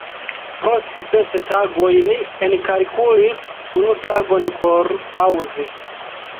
Post ses tagoj ni enkalkulis unu tagon por paŭzi.